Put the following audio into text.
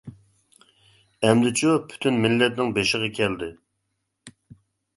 ئەمدىچۇ پۈتۈن مىللەتنىڭ بېشىغا كەلدى.